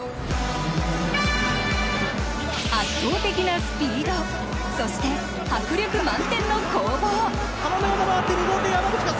圧倒的なスポーツ、そして迫力満点の攻防。